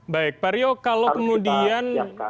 baik pak rio kalau kemudian